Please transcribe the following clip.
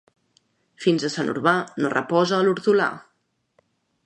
Fins a Sant Urbà no reposa l'hortolà.